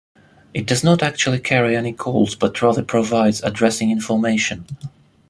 It does not actually carry any calls, but rather provides addressing information.